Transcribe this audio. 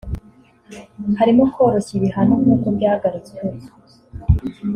harimo koroshya ibihano nkuko byagarutsweho